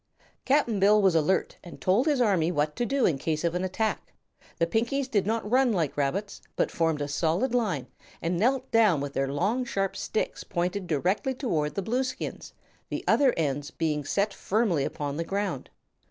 Cap'n Bill was alert and had told his army what to do in case of an attack. The Pinkies did not run like rabbits, but formed a solid line and knelt down with their long, sharp sticks pointed directly toward the Blueskins, the other ends being set firmly upon the ground.